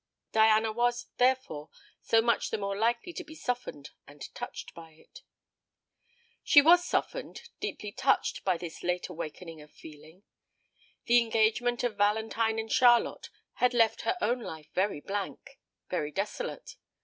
Diana was, therefore, so much the more likely to be softened and touched by it. She was softened, deeply touched by this late awakening of feeling. The engagement of Valentine and Charlotte had left her own life very blank, very desolate.